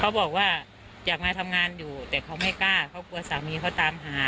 บอกว่าอยากมาทำงานอยู่แต่เขาไม่กล้าเขากลัวสามีเขาตามหา